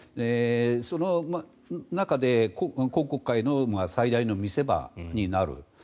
その中で今国会の最大の見せ場になる。